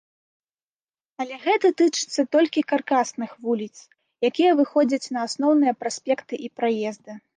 Але гэта тычыцца толькі каркасных вуліц, якія выходзяць на асноўныя праспекты і праезды.